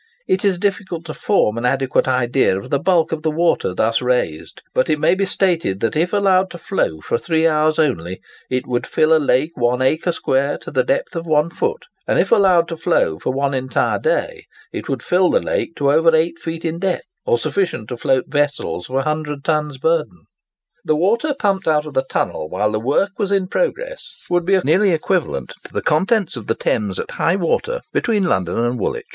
It is difficult to form an adequate idea of the bulk of the water thus raised, but it may be stated that if allowed to flow for three hours only, it would fill a lake one acre square to the depth of one foot, and if allowed to flow for one entire day it would fill the lake to over eight feet in depth, or sufficient to float vessels of 100 tons burthen. The water pumped out of the tunnel while the work was in progress would be nearly equivalent to the contents of the Thames at high water, between London and Woolwich.